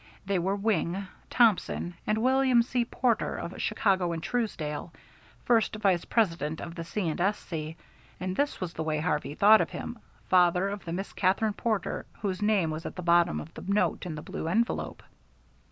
They were Wing, Thompson and William C. Porter of Chicago and Truesdale, First Vice President of the C. & S.C. and, this was the way Harvey thought of him, father of the Miss Katherine Porter whose name was at the bottom of the note in the blue envelope.